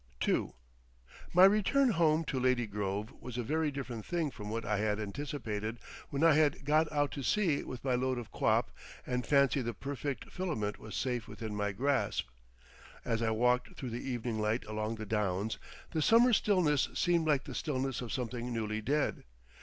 II My return home to Lady Grove was a very different thing from what I had anticipated when I had got out to sea with my load of quap and fancied the Perfect Filament was safe within my grasp. As I walked through the evening light along the downs, the summer stillness seemed like the stillness of something newly dead.